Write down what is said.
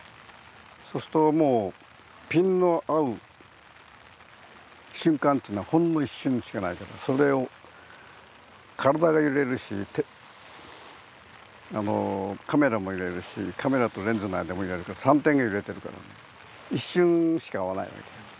そうするともうピンの合う瞬間っていうのはほんの一瞬しかないからそれを体が揺れるしカメラも揺れるしカメラとレンズの間も揺れるから３点が揺れてるから一瞬しか合わないわけよ。